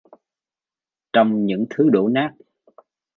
Trong những thứ đổ nát